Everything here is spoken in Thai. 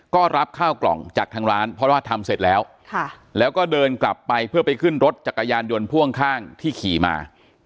ก็รับข้าวกล่องจากทางร้านเพราะว่าทำเสร็จแล้วแล้วก็เดินกลับไปเพื่อไปขึ้นรถจักรยานยนต์พ่วงข้างที่ขี่มา